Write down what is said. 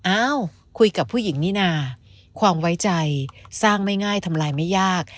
อ้าวคุยกับผู้หญิงนี่นาความไว้ใจสร้างไม่ง่ายทำลายไม่ยาก